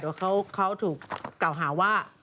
แต่ว่าเขาถูกเก่าหาว่า